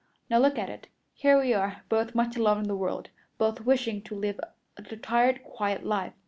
Now look at it. Here we are, both much alone in the world both wishing to live a retired, quiet life.